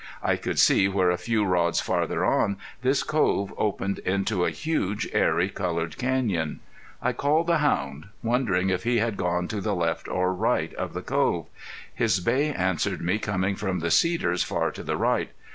I could see where a few rods farther on this cove opened into a huge, airy, colored canyon. I called the hound, wondering if he had gone to the right or left of the cove. His bay answered me coming from the cedars far to the right.